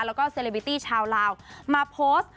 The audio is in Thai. แล้วก็เซเลบิตี้ชาวลาวมาโพสต์